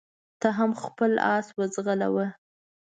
ته هم خپل اس وځغلوه.